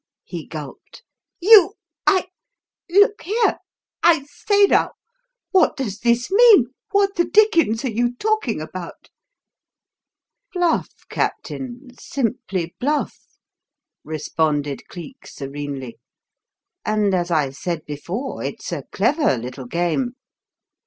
he gulped. "You I Look here, I say now, what does this mean? What the dickens are you talking about?" "Bluff, Captain! Simply 'bluff'!" responded Cleek serenely. "And as I said before, it's a clever little game.